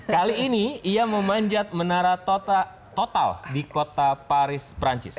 kali ini ia memanjat menara total di kota paris perancis